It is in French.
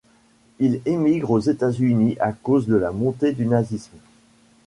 Il émigre aux États-Unis à cause de la monté du nazisme.